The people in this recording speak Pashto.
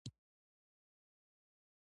افغانستان له نورو هېوادونو سره ښې اړیکې لري.